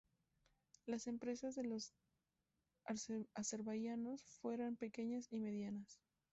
Las empresas de los azerbaiyanos fueran pequeñas y medianas.